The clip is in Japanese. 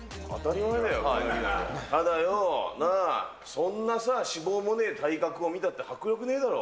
ただよ、なあ、そんなさ、脂肪もねえ体格を見たって迫力ねえだろ。